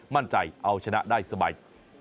มั่นใจเอาชนะได้สบาย